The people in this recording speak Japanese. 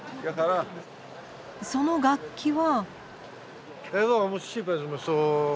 その楽器は。